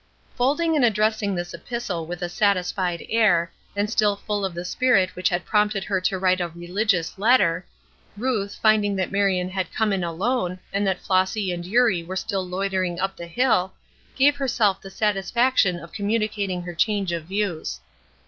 Folding and addressing this epistle with a satisfied air, and still full of the spirit which had prompted her to write a religious letter, Ruth, finding that Marion had come in alone, and that Flossy and Eurie were still loitering up the hill, gave herself the satisfaction of communicating her change of views.